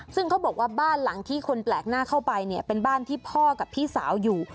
ซึ่งเขาบอกว่าบ้านหลังที่คนแปลกหน้าเข้าไปเนี่ยเป็นบ้านที่พ่อกับพี่สาวอยู่